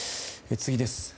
次です。